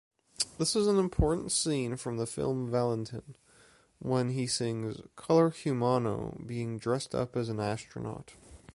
This is an important scene from the film “Valentin”, when he sings “Color humano” being dressed up as an astronaut.